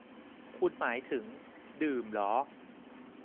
คุณหมายถึง ดื่มเหรอ ?